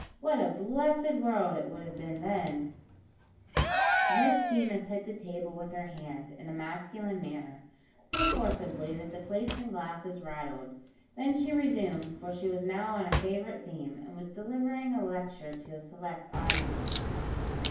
What a blessed world it would have been then!" Miss Deemas hit the table with her hand, in a masculine manner, so forcibly, that the plates and glasses rattled, then she resumed, for she was now on a favourite theme, and was delivering a lecture to a select audience.